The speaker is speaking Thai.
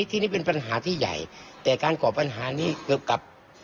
ที่นี่เป็นปัญหาที่ใหญ่แต่การก่อปัญหานี้เกี่ยวกับ